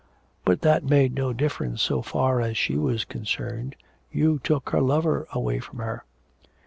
'But that made no difference so far as she was concerned. You took her lover away from her.'